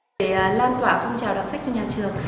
để lan tỏa phong trào đọc sách cho nhà trường